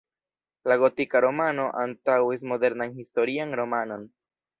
La gotika romano antaŭis modernan historian romanon.